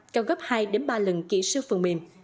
cao gấp hai ba lần kỹ sư phần bềm